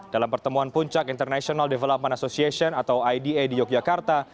dalam pertemuan puncak international development association atau ida di yogyakarta